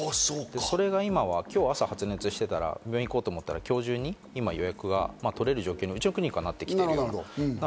それが今は今日、朝、発熱して病院行こうと思ったら、今日中にいま予約が取れる状況になってきている。